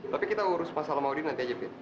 tapi kita urus masalah mau diri nanti aja fit